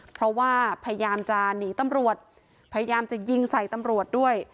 เพราะว่าพยายามจะหนีตำรวจพยายามจะยิงใส่ตำรวจด้วย